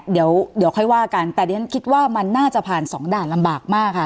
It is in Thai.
เดี๋ยวค่อยว่ากันแต่ดิฉันคิดว่ามันน่าจะผ่านสองด่านลำบากมากค่ะ